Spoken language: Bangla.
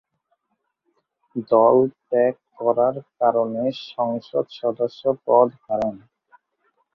দল ত্যাগ করার কারণে সংসদ সদস্য পদ হারান তিনি।